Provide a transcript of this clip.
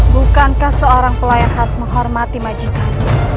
bukankah seorang pelayan harus menghormati majikan